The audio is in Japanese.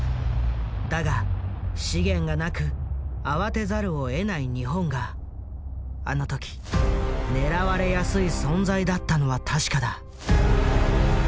だが資源がなく慌てざるをえない日本があの時狙われやすい存在だったのは確かだ。